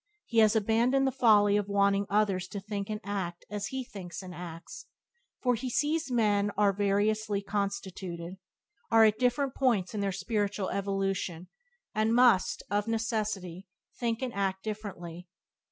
He has abandoned the folly of wanting others to think and act as he thinks and acts, for he sees men are variously constituted, are at different points in their spiritual evolution, and must, of necessity, think and act differently.